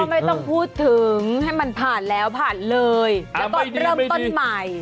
ไม่ต้องพูดถึงให้มันผ่านแล้วผ่านเลยแล้วก็เริ่มต้นใหม่